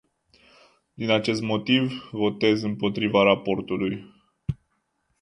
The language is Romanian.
Din acest motiv, votez împotriva raportului.